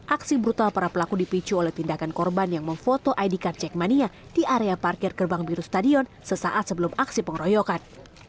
aksi brutal para pelaku dipicu oleh tindakan korban yang memfoto id card jackmania di area parkir gerbang biru stadion sesaat sebelum aksi pengeroyokan